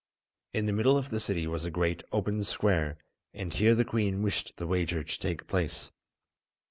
In the middle of the city was a great open square, and here the queen wished the wager to take place.